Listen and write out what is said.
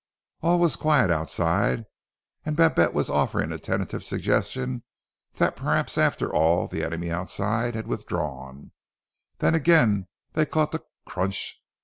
All was quiet outside and Babette was offering a tentative suggestion that perhaps after all the enemy outside had withdrawn, then again they caught the crunch!